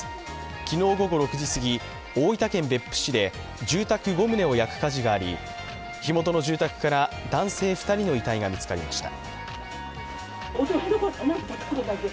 昨日午後６時すぎ、大分県別府市で住宅５棟を焼く火事があり、火元の住宅から男性２人の遺体が見つかりました。